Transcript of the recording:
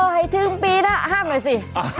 ห้ามหน่อยสิ